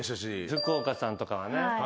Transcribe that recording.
福岡さんとかはね。